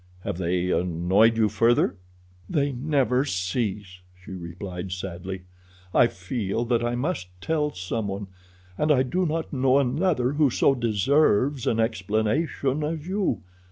Have they annoyed you further?" "They never cease," she replied sadly. "I feel that I must tell some one, and I do not know another who so deserves an explanation as you.